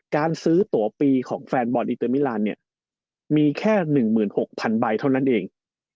การซื้อตัวปีของแฟนบอลอินเตอร์มิลานเนี่ยมีแค่๑๖๐๐๐ใบเท่านั้นเอง